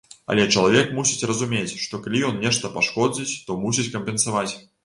Але чалавек мусіць разумець, што калі ён нешта пашкодзіць, то мусіць кампенсаваць.